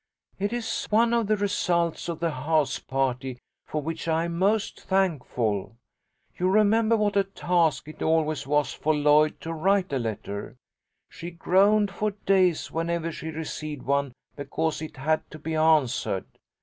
"It is one of the results of the house party for which I am most thankful. You remember what a task it always was for Lloyd to write a letter. She groaned for days whenever she received one, because it had to be answered.